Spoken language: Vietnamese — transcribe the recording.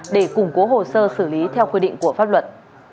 để củng cố hồ sơ xử lý theo quy định của pháp luật